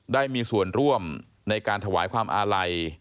ได้มีส่วนร่วมในการถวายความอาลัย